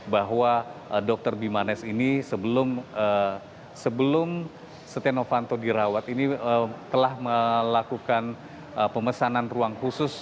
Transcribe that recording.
bahwa dr bimanesh ini sebelum setia novanto dirawat ini telah melakukan pemesanan ruang khusus